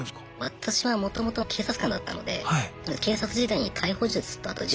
私はもともと警察官だったので警察時代に逮捕術とあと柔道やってましたね。